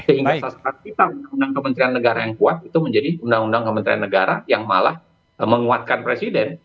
sehingga sasaran kita undang undang kementerian negara yang kuat itu menjadi undang undang kementerian negara yang malah menguatkan presiden